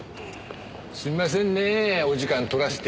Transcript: すみませんねぇお時間取らせて。